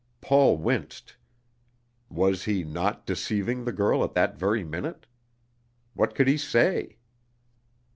Paul winced. Was he not deceiving the girl at that very minute? What could he say?